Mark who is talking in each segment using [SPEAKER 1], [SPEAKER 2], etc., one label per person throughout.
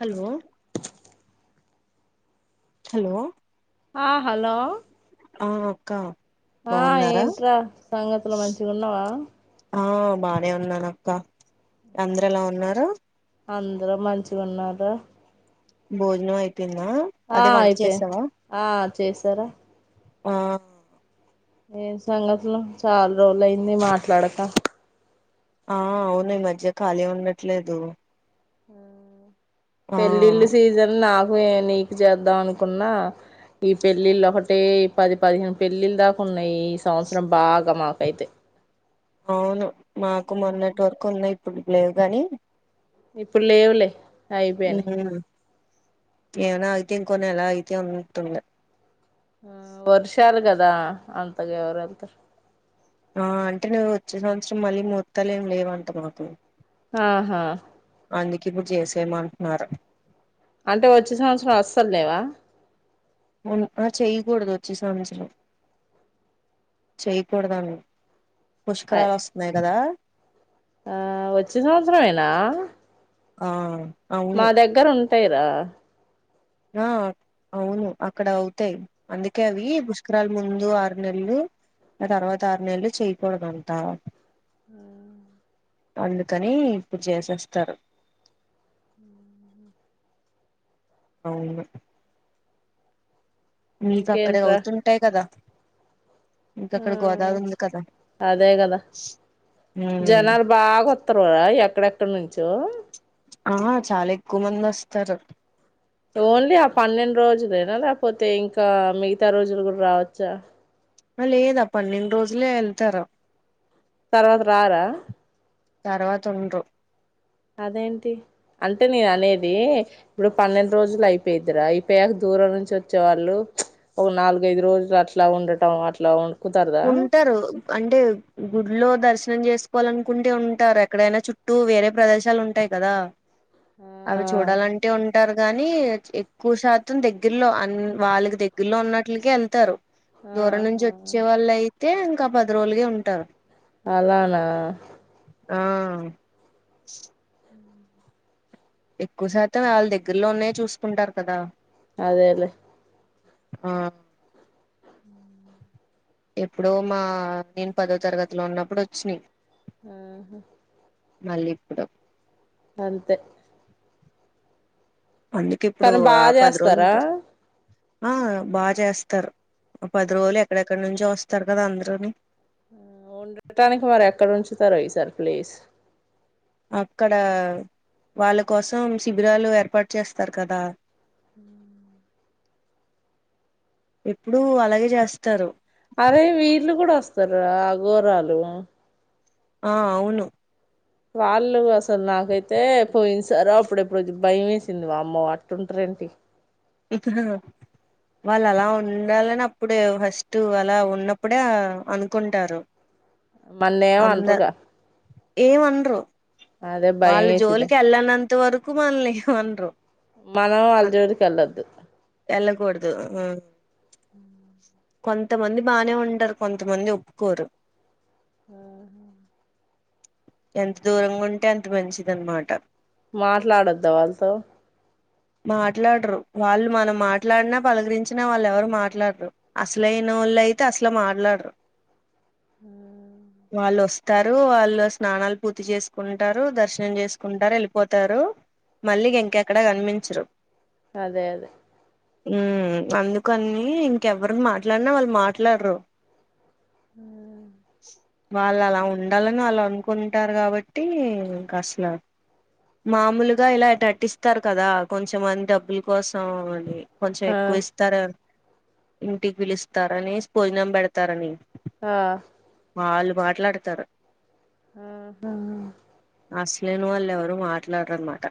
[SPEAKER 1] Hello hello
[SPEAKER 2] ఆ hello
[SPEAKER 1] అవు అక్క
[SPEAKER 2] ఆ
[SPEAKER 1] బాగున్నారా
[SPEAKER 2] ఏంట్రా సంగతులు మంచిగ ఉన్నావ
[SPEAKER 1] ఆ బానే ఉన్నాన్ అక్క అందరు ఎలా ఉన్నారు
[SPEAKER 2] అందరు మంచిగ ఉన్నార్ర
[SPEAKER 1] భోజనం అయిపోయిందా అదే వంట
[SPEAKER 2] అయిపోయా
[SPEAKER 1] చేసావ
[SPEAKER 2] ఆ చేసారా
[SPEAKER 1] ఆ
[SPEAKER 2] ఏం సంగతులు చాల రోజులు అయింది మాట్లాడక
[SPEAKER 1] ఆ అవును ఈ మధ్య ఖాళీ ఉండట్లేదు ఆ
[SPEAKER 2] పెళ్లిిళ్ళ సీజన్ నాకు నీకు చేద్దాం అనుకున్నా ఈ పెళ్ళిళ్లు ఒకటే ఈ పది పదిహేను పెళ్ళిల్ దాకా ఉన్నాయి ఈ సంవత్సరం బాగ మాకయితే
[SPEAKER 1] అవును మాకు మొన్నటి వరకు ఉన్నాయి ఇప్పుడు లేవ్ గాని
[SPEAKER 2] ఇప్పుడ్ లేవులే అయిపోయినాయి
[SPEAKER 1] ఏవనా ఆయితంకో ఎలా ఆగిత ఉన్నట్టుంది.
[SPEAKER 2] వర్షాలు కదా అంతగా ఎవరోస్తారు
[SPEAKER 1] ఆ అంటే నువ్వు వచ్చే సంవత్సరం మళ్ళీ ముహుర్తాలు ఏమి లేవంట మాకు
[SPEAKER 2] ఆహ
[SPEAKER 1] అందుకు ఇప్పుడు చేసేమంటున్నారు
[SPEAKER 2] అంటే వచ్చే సంవత్సరం అస్సలు లేవా
[SPEAKER 1] అవున్క చేయకూడదు చూసేవాళ్ల ఇష్టం చేయ్యకూడదాని
[SPEAKER 2] అ
[SPEAKER 1] పుష్కరాలు వస్తున్నాయి కదా
[SPEAKER 2] ఆ వచ్చిన సంవత్సరమేనా
[SPEAKER 1] ఆ అవును
[SPEAKER 2] మా దెగ్గర ఉంటాయిరా
[SPEAKER 1] ఆ అవును అక్కడ అవుతాయి్ అందుకే అవి పుష్క ష్కరాల్ ముందు ఆరు నెలలు ఆ తర్వాత ఆరు నెలలు చేయకూడదు అంట
[SPEAKER 2] ఆ
[SPEAKER 1] అందుకని ఇప్పుడు చేసేస్తారు అవును మీకు అక్కడె అవుతుంటాయి కదా ఇంక
[SPEAKER 2] హ
[SPEAKER 1] అక్కడ గోదావరి ఉంది కదా
[SPEAKER 2] అదే కదా
[SPEAKER 1] ఉమ్
[SPEAKER 2] జనాలు బాగాొస్తారుా కదా ఎక్కడెక్కడ నుంచో
[SPEAKER 1] అహ చాలా ఎక్కువ మంది వస్తారు
[SPEAKER 2] ఓన్లీ ఆ పన్నెండు రోజులేేనా లేకపోతే ఇంకా మిగతా రోజులు కూడ రావచ్చా
[SPEAKER 1] ఆ లేదె ఆ పన్నెండు రోజులే వెళ్తారు
[SPEAKER 2] తర్వాత రారా
[SPEAKER 1] తర్వాత ఉండ్రు
[SPEAKER 2] అదేంటి అంటే నేను అనేది ఇప్పుడు పన్నెండు రోజులు అయిపోయిద్దరా అయిపోయాక దూరం నుంచి వచ్చే వాళ్ళు ఒక నాలుగైఐదు రోజులు అట్లా ఉండటం అట్లా ఉ
[SPEAKER 1] ఉంటారు అంటే గుడ్లో దర్శ నం చేసుకోవాలనుకుంటే ఉంటారు ఎక్కడైనా చుట్టూ వేరే ప్రదేశాలు ఉంటాయి కదా అవి
[SPEAKER 2] ఆ
[SPEAKER 1] చూడాలంటే ఉం అంటారు గాని ఎక్కువ శాతం దగ్గరలో అ వాళ్ళకి దగ్గరలో ఉన్నట్లకె వెళ్తారు దూరం నుంచి
[SPEAKER 2] ఆహా
[SPEAKER 1] వచ్చే వాళ్ళు అయితే ఇంకా పది రోజులుగె ఉంటారు
[SPEAKER 2] అలానా
[SPEAKER 1] ఆ ఎక్కువ శాతం వాళ్ళ దగ్గరలోనే చూసుకుంటారు కదా
[SPEAKER 2] అదేలే
[SPEAKER 1] ఆ ఎప్పుడో మా నేను పదో తరగతిలో ఉన్నప్పుడు వచ్చాయి
[SPEAKER 2] ఆహా
[SPEAKER 1] మళ్ళీ ఇప్పుడు
[SPEAKER 2] అంతే
[SPEAKER 1] అందుకు ఇప్పుడు
[SPEAKER 2] తను
[SPEAKER 1] ఆ
[SPEAKER 2] బాగా
[SPEAKER 1] పది రోజులు
[SPEAKER 2] చేస్తారా
[SPEAKER 1] ఉంటారు ఆ బాగా చేస్తారు ఆ పది రోజులు ఎక్కడెక్కడి నుంచి వస్తారు కదా అందరుని
[SPEAKER 2] ఆ ఉండటానికి మరి ఎక్కడ ఉంచుతారో ఈ సార్ ప్లేస్
[SPEAKER 1] అక్కడ వాళ్ళ కోసం శిబిరాలు ఏర్పాటు చేస్తారు కదా
[SPEAKER 2] ఊ
[SPEAKER 1] ఎప్పుడు అలాగే చేస్తారు
[SPEAKER 2] అరే వీళ్ళు కూడా వస్తరా అఘోరాలు
[SPEAKER 1] ఆ అవును
[SPEAKER 2] వాళ్ళు అసలు నాకైతే పోయినసార అప్పుడు ఎప్పుడో భయం వేసింది వామ్మో అట్టుంట్ర ఏంటి
[SPEAKER 1] ఇక వాళ్ళు అలా ఉండాలని అప్పుడే ఫస్ట్ అలా ఉన్నప్పుడే అనుకుంటారు
[SPEAKER 2] వాళ్ళు ఏం
[SPEAKER 1] అందరు
[SPEAKER 2] అనరుగా
[SPEAKER 1] ఏమనరు
[SPEAKER 2] అదే భయం
[SPEAKER 1] వాళ్ళ
[SPEAKER 2] వేసిద్ది
[SPEAKER 1] జోలికి వెళ్ళనంత వరకు మనల్ని ఏమనరు
[SPEAKER 2] మనం అల్ల జోలికి వెళ్ళదు
[SPEAKER 1] వెళ్ళకూడదు ఆ
[SPEAKER 2] ఊ
[SPEAKER 1] కొంతమంది బానే ఉంటారు కొంతమంది ఒప్పుకోరు
[SPEAKER 2] ఆహా
[SPEAKER 1] ఎంత దూరంగా ఉంటే అంత మంచిదనమాట
[SPEAKER 2] మాట్లాడొద్ద వాళ్ళతో
[SPEAKER 1] మాట్లాడరు వాళ్ళు మనం మాట్లాడినా పలకరించినా వాళ్ళు ఎవరు మాట్లాడరు అసలైనా నోళ్ళైతే అసలు మాట్లాడరు వాళ్ళు ఒస్ వస్తారు వాళ్ళు స్నానాలు పూర్తి చేసుకుంటారు దర్శనం చేసుకుంటారు వెళ్ళిపోతారు మళ్ళీ ఇంకెక్కడ కనిపించరు
[SPEAKER 2] అదే అదే
[SPEAKER 1] ఊ అందుకని ఇంకెవరు మాట్లాడినా వాళ్ళు మాట్లాడరు వాళ్ళు అలా ఉండాలని వాళ్ళు అనుకుంటారు కాబట్టి ఇంక అసలు మామూలుగా ఇలా నట్టిస్తారు కదా కొంచ మంది డబ్బుల కోసం కొంచెం
[SPEAKER 2] ఆ
[SPEAKER 1] ఎక్కువ ఇస్తార ఇంటికి పిలుస్తారనేస్ భోజనం పెడతారని
[SPEAKER 2] ఆ
[SPEAKER 1] వాళ్ళు మాట్లాడతారు
[SPEAKER 2] ఆహా
[SPEAKER 1] అసలైనోళ్ళు ఎవరు మాట్లాడరనమాట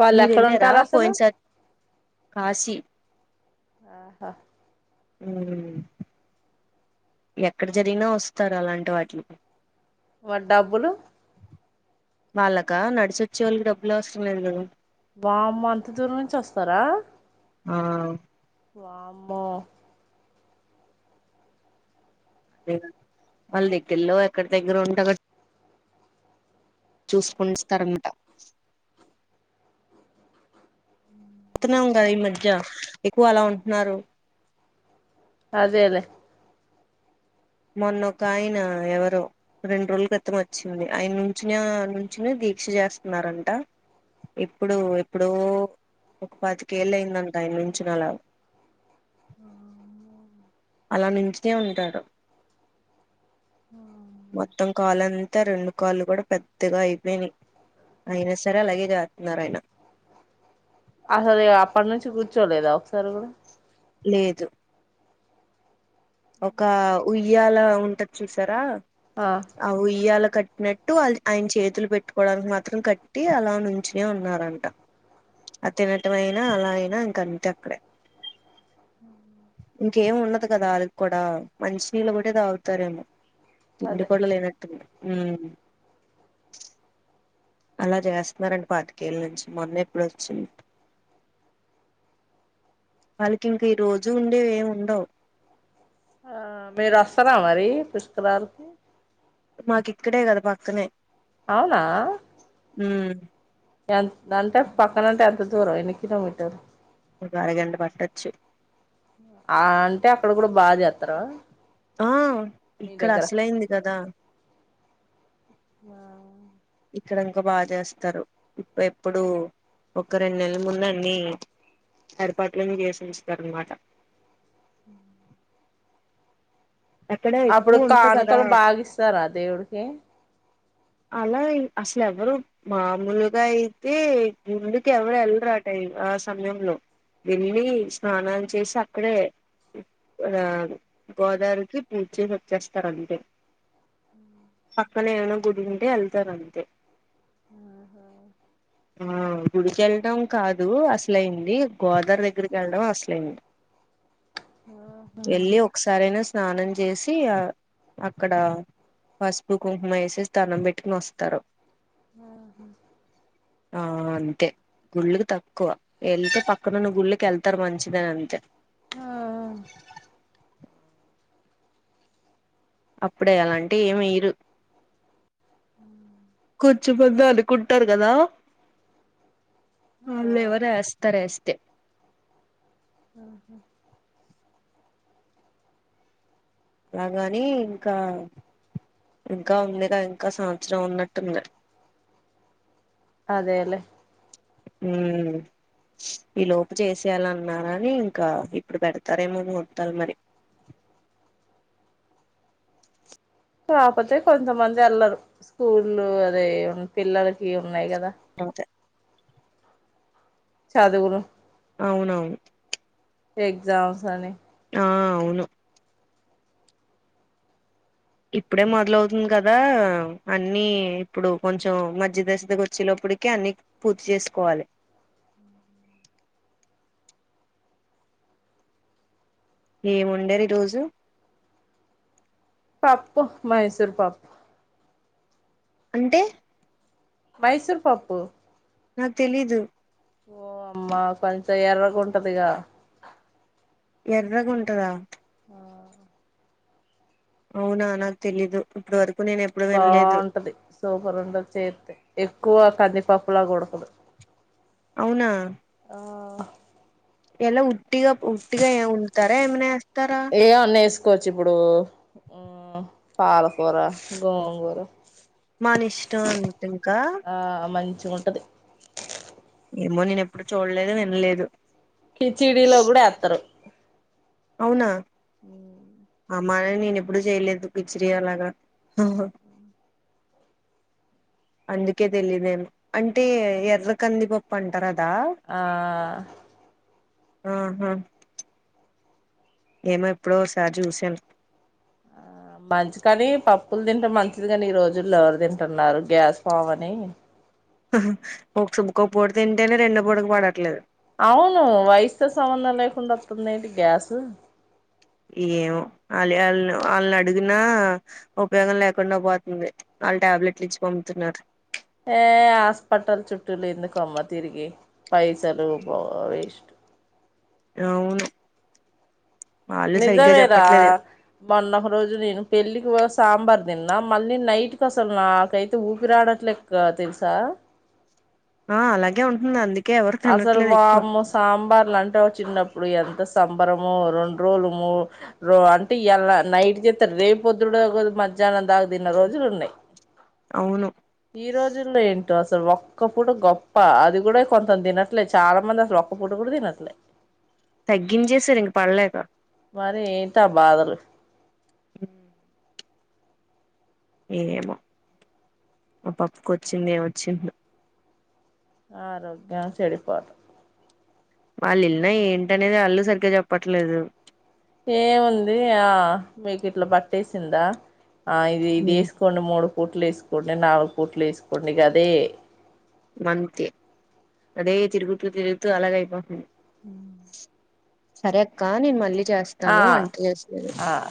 [SPEAKER 2] వాళ్ళు
[SPEAKER 1] మీరు
[SPEAKER 2] ఎక్కడ
[SPEAKER 1] వెళ్ళారా
[SPEAKER 2] ఉంటారు అసలు
[SPEAKER 1] పోయిన సార్ కాశీ
[SPEAKER 2] ఆహా
[SPEAKER 1] ఊ ఎక్కడ జరిగినా వస్తారు అలాంటి వాటికి
[SPEAKER 2] వర్ డబ్బులు
[SPEAKER 1] వాళ్ళకా నడిచొచ్చే వాళ్ళకి డబ్బులు అవసరం లేదు లే
[SPEAKER 2] వామ్మో అంత దూరం నుంచి వస్తారా
[SPEAKER 1] ఆ
[SPEAKER 2] వామ్మో
[SPEAKER 1] అదే గా వాళ్ళ దగ్గరి లో ఎక్కడో దగ్గర ఉంట క చూసుకొనిస్తారంట తున్నాము కదా ఈ మధ్య ఎక్కువ అలా ఉంటున్నారు
[SPEAKER 2] అదే లే
[SPEAKER 1] మొన్నొ ఒక ఆయన ఎవరో రెండు రోజుల క్రితం వచ్చింది ఆయన నుంచిన నుంచి ది దీక్ష చేస్తున్నారంట ఇప్పుడు ఎప్పుడో ఒక పాతికేళ్ళ అయిందంట ఆయన నుంచ్చునీ అలా
[SPEAKER 2] ఆ
[SPEAKER 1] అలా నుంచనే ఉంటాడు
[SPEAKER 2] ఆ
[SPEAKER 1] మొత్తం కాళ్లంతా రెండు కాళ్లు కూడా పెద్దగా అయిపోయినాయి అయినా సరే అలగే జతున్నారాయన
[SPEAKER 2] అసలు అప్పటి నుంచి కూర్చోలేదా ఒకసారి కూడా
[SPEAKER 1] లేదు ఒక ఉయ్యాల ఉంటది చూసారా ఆ ఉయ్యాల కట్టినట్టు వాళ్ళు ఆయన చేతులు పెట్టుకోవడానికి మాత్రం కట్టి అలా నుంచనే ఉన్నారంట అ తినటం అయినా అలా అయినా ఇంక అంత అక్కడే
[SPEAKER 2] ఊ
[SPEAKER 1] ఇంకేం ఉండదు కదా వాళ్ళకి కూడా మంచినీళ్ళ కూడా తాగుతారేమో తిండి
[SPEAKER 2] అదే
[SPEAKER 1] కూడ లేనటుంది అలా చేస్తున్నారండి పాతికేళ్ల నుంచి మొన్న ఎప్పుడొచ్చింది వాళ్ళకి ఇంక ఈ రోజు ఉండేవి ఏమి ఉండవు
[SPEAKER 2] ఆ మీరస్తరా మరి పుష్కరాలకి
[SPEAKER 1] మాకి ఇక్కడే కదా పక్కనే
[SPEAKER 2] అవునా
[SPEAKER 1] ఊ
[SPEAKER 2] ఎంత అంటే పక్కన అంటే ఎంత దూరం ఎన్ని కిలోమీటర్
[SPEAKER 1] ఒక అరగంట పట్టొచ్చు
[SPEAKER 2] ఆ అంటే అక్కడ కూడా బాగా చేస్తార
[SPEAKER 1] ఆ ఇక్కడ అసలైంది కదా
[SPEAKER 2] ఆ
[SPEAKER 1] ఇక్కడ ఇంక బాగ చేస్తారు ఇప్పు ఎప్పుడు ఒక రెండు నెలల ముంద అన్ని తడపాటలోలను చేస్ వస్తరనమాట
[SPEAKER 2] అప్పుడు కానుకలు బాగ ఇస్తారా దేవుడికి
[SPEAKER 1] అలా అసలు ఎవరు మామూల్గా అయితే గుండుకి ఎవరు ఎల్లరాటయి ఆ సమయంలో వెల్లి స్నానాలు చేసి అక్కడే ఆ గోదావరి కి పూజ్ చేసి వచ్చేస్తారు. అంటే పక్కనే ఏమనా గుడి ఉంటే వెళ్త రండి
[SPEAKER 2] ఆహ
[SPEAKER 1] ఆ గుడికిెళ్ళడం కాదు అసలైంది గోదావరి దగ్గరికి వెళ్ళడం అసలైంది
[SPEAKER 2] ఆహా.
[SPEAKER 1] వెళ్ళి ఒకసారైన స్నానం చేసి ఆ అక్కడ పసుపు కుంకుమ వేసెసి దండం పెట్టుకుని వస్తారు
[SPEAKER 2] ఆ
[SPEAKER 1] ఆ అంతే గుళ్ళకి తక్కువ వెళ్తే పక్కనున్న గుళ్లకి వెళ్తారు మంచిదని అంతె
[SPEAKER 2] ఆ
[SPEAKER 1] అప్పుడే అలాంటే ఏమి ఈరు కూర్చుబంద అను కుంటారు కదా
[SPEAKER 2] ఆ
[SPEAKER 1] ఆల్ ఇవ్వరు ఎస్తార్ ఎస్తే
[SPEAKER 2] ఒకే
[SPEAKER 1] అలాగని ఇంకా ఇంకా ఉందిగ ఇంక సంవత్సరం ఉన్నట్టుంది
[SPEAKER 2] అదేలే
[SPEAKER 1] ఉమ్ ఈ లోపు చేసేయాలన్నారా అని ఇంకా ఇప్పుడు పెడతారేమోని ముహుర్తాలు మరి
[SPEAKER 2] కాపోతే కొంతమంది వెళ్లరు స్కూళ్లు అదే పిల్లలకి ఉన్నాయి కదా
[SPEAKER 1] అంతె
[SPEAKER 2] చదువులు
[SPEAKER 1] అవునవును
[SPEAKER 2] ఎగ్జామ్స్ అని
[SPEAKER 1] ఆ అవును ఇప్పుడే మొదలవుతుంది కదా అన్నీ ఇప్పుడు కొంచెం మధ్య దశ లోకి వచ్చే లో ఇప్పుడికే అన్ని పూర్తి చేసుకోవాలి ఏముండారు ఈ రోజు
[SPEAKER 2] పప్పు మైసూర్ పప్
[SPEAKER 1] అంటే
[SPEAKER 2] మైసూర్ పప్పు
[SPEAKER 1] నాక్ తెలీదు
[SPEAKER 2] ఓ అమ్మా కొంచెం ఎర్రగ ఉంటదిగా
[SPEAKER 1] ఎర్రగ ఉంటందా అవునా నాక్ తెలిదు ఇప్పుడు వరకు నేను ఎప్పుడు వినలేదు
[SPEAKER 2] బావుంటది సూపర్ ఉంటది చేత్తె ఎక్కు క్కువ కందిీపప్పు లాగ ఉడకదు
[SPEAKER 1] అవునా
[SPEAKER 2] ఆ
[SPEAKER 1] ఎలా ఉుట్టిగా ఉుట్టిగా వండుతారె ఏమన
[SPEAKER 2] ఏ అన్న వేసుకోవచ్చు ఇప్పుడు ఆ పాలకూర గోంగూర
[SPEAKER 1] మనిష్టం అన్ని
[SPEAKER 2] ఆ మంచిగ ఉంటది
[SPEAKER 1] ఏమో నేనెప్పుడు చూడలేదు వినలేదు
[SPEAKER 2] కిచిడీలో కూడ వేస్తరు
[SPEAKER 1] అవున
[SPEAKER 2] ఉ
[SPEAKER 1] అమ్మానే నేను ఎప్పుడుూ చేయలేదు కిచిడి అలాగా అందుకే తెలియదేం అంటే ఎర్ర కందిపప్పు అంటారు అ
[SPEAKER 2] అ ఆ
[SPEAKER 1] ఆహ ఏమో ఎప్పుడోసారి చూసాం
[SPEAKER 2] మంచిది కాని పప్పులు తింటం మంచిది కాని ఈ రోజుల్లో ఎవర్ తింటున్నారు గ్యాస్ ఫామ్ అని
[SPEAKER 1] ఒక సుబ్భకో పూట తింటేనే రెండో పూటకు పడట్లేదు
[SPEAKER 2] అవును వయసుతో సంబంధం లేకుండ వస్తుంది ఏంటి గ్యాస్
[SPEAKER 1] ఏమో వాళ వాళ్ళని వాళ్ళని అడిగినా ఉపయోగం లేకుండ పోతుంది ఆళ్ టాబ్లెట్లు ఇచ్చి పంపుతున్నారు
[SPEAKER 2] ఏ హాస్పిటల్ చుట్టలు ఎందు కమ్మ తిరిగి పైసలు బ వేస్ట్
[SPEAKER 1] అవును వాళ్ళు సరిగ్గా
[SPEAKER 2] నిజమేరా
[SPEAKER 1] చెప్పట్లేదు
[SPEAKER 2] మోన్న ఒక రోజు నేను పెళ్లి సాంబార్ తిన్నా మళ్ళీ నైట్ కసలు నాకైతే ఊపిరాడట్లేదె తెలుసా
[SPEAKER 1] ఆ అలాగే ఉంటుంది అందు
[SPEAKER 2] అసలు వామ్మా సాంబార్ లంటే చిన్నప్పుడు ఎంత సంబర మో రెండు రోజులు రో అంటే ఇలా నైట్ చేస్త రేపు పొద్దుడు మధ్యాహ్నం దాక తిన్న రోజులు ఉన్నాయి
[SPEAKER 1] అవును
[SPEAKER 2] ఈ రోజుల్లో ఏంటో అసలు ఒక్కప్పుట గొప్ప అది కూడ కొందర్ తినట్లేదు చాల మంది అసలు ఒక్క పూట కూడ తినట్లేదు
[SPEAKER 1] తగ్గించేసారు ఇక పడలేక
[SPEAKER 2] మరి ఏంట ఆ బాదలు
[SPEAKER 1] హ ఏమో ఆ పప్పుకుొచ్చింది ఏమొచ్చి
[SPEAKER 2] ఆరోగ్యం చెడిపోతాయి
[SPEAKER 1] వాళ్ళు ఎళ్ళిన ఏంటనేది వాళ్ళు సరిగ్గ చెప్పట్లేదు
[SPEAKER 2] ఏముంది ఆ మీకు ఇట్ల పట్టేసిందా ఆ ఇది ఇది
[SPEAKER 1] హ్మ్
[SPEAKER 2] వేసుకోండి మూడు పూట్ల వేసుకోండి నాలుగు పూట్ల వేసుకోండి ఇగ గదే
[SPEAKER 1] మంతె అదే తిరుగుతూ తిరుగుతూ అలాగ అయిపో
[SPEAKER 2] హ
[SPEAKER 1] సరే అక్క నేన్ మళ్లి
[SPEAKER 2] ఆ
[SPEAKER 1] చేస్తాను వంట చేస్త
[SPEAKER 2] ఆ